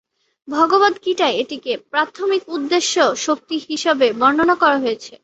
ভগবদ্গীতায় এটিকে "প্রাথমিক উদ্দেশ্য শক্তি" হিসাবে বর্ণনা করা হয়েছে।